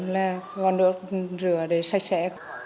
là còn nước rửa để sạch sẽ